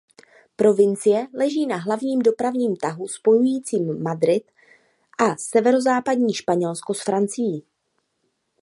Provincie leží na hlavním dopravním tahu spojujícím Madrid a severozápadní Španělsko s Francií.